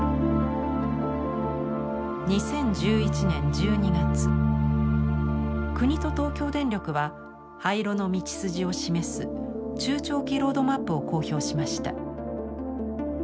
２０１１年１２月国と東京電力は廃炉の道筋を示す中長期ロードマップを公表しました。